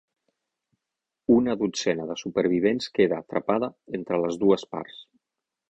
Una dotzena de supervivents queda atrapada entre les dues parts.